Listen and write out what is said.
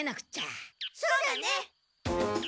そうだね。